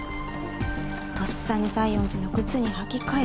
とっさに西園寺の靴に履き替え